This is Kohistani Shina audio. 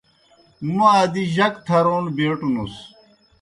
موْ ادی جک تھرون بیٹوْنُس۔